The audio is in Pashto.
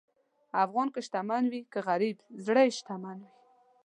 افغان که شتمن وي که غریب، زړه یې شتمن وي.